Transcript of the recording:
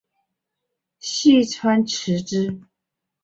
细川持之。